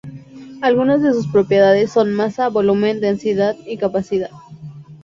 Algunas de sus propiedades son masa, volumen, densidad y capacidad.